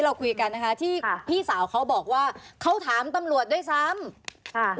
เราคุยกันนะคะที่พี่สาวเขาบอกว่าเขาถามตำรวจด้วยซ้ำค่ะ